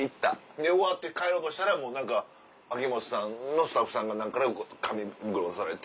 で終わって帰ろうとしたら何か秋元さんのスタッフさんから紙袋渡されて。